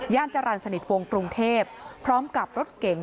จรรย์สนิทวงกรุงเทพพร้อมกับรถเก๋ง